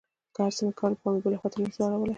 چې هرڅه مې کول پام مې بلې خوا ته نه سو اړولى.